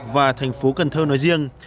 và thành phố cần thơ nói riêng